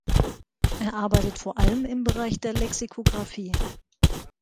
Er arbeitet vor allem im Bereich der Lexikografie.